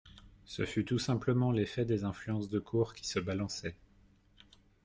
Ce fut tout simplement l'effet des influences de cour qui se balançaient.